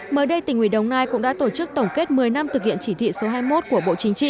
mới đây tỉnh ủy đồng nai cũng đã tổ chức tổng kết một mươi năm thực hiện chỉ thị số hai mươi một